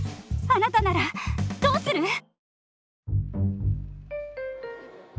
あなたならどうする？